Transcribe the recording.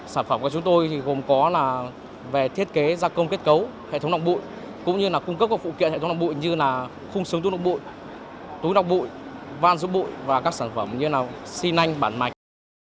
sản phẩm của chúng tôi thì gồm có là về thiết kế gia công kết cấu hệ thống lọc bụi cũng như là cung cấp các phụ kiện hệ thống lọc bụi như là khung sướng túi lọc bụi túi lọc bụi van giúp bụi và các sản phẩm như là xi nanh bản mạch